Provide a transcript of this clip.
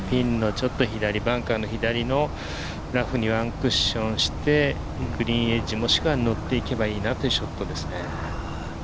バンカーの左のラフにワンクッションして、グリーンエッジ、もしくはのっていけばいいなというショットですね。